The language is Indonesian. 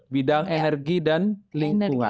bidang energi dan lingkungan